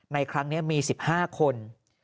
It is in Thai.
ในครั้งนี้มี๑๕คน